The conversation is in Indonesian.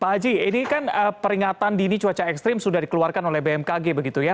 pak haji ini kan peringatan dini cuaca ekstrim sudah dikeluarkan oleh bmkg begitu ya